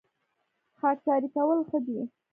خاکساري کول ښه دي